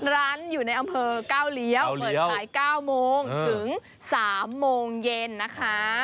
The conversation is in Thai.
ร้านอยู่ในอำเภอก้าวเลี้ยวเปิดขาย๙โมงถึง๓โมงเย็นนะคะ